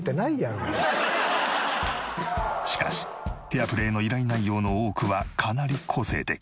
しかしヘアプレイの依頼内容の多くはかなり個性的。